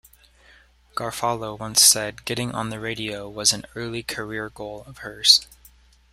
Garofalo once said getting on the radio was an early career goal of hers.